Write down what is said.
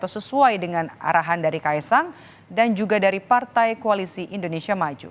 sesuai dengan arahan dari kaisang dan juga dari partai koalisi indonesia maju